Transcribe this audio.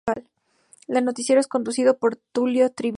El noticiario es conducido por Tulio Triviño.